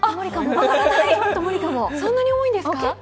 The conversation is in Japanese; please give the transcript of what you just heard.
そんなに重いんですか。